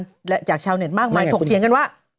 จะชาวเชียร์เน็ตมากมายถกเปียงกันว่า